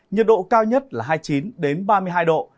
nhiệt độ cao nhất là hai mươi chín ba mươi hai độ